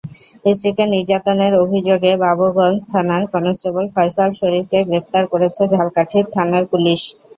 স্ত্রীকে নির্যাতনের অভিযোগে বাবুগঞ্জ থানার কনস্টেবল ফয়সাল শরীফকে গ্রেপ্তার করেছে ঝালকাঠির থানার পুলিশ।